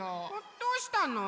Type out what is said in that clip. どうしたの？